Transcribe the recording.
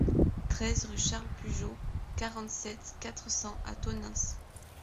treize rue Charles Pujos, quarante-sept, quatre cents à Tonneins